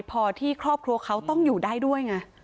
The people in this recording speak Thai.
พอที่ครอบครัวเขาต้องอยู่ได้ด้วยไง